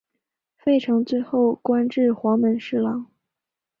费承最后官至黄门侍郎。